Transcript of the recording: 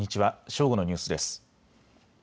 正午のニュースです。